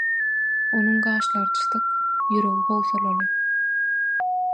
Onuň gaşlary çytyk, ýüregi howsalaly.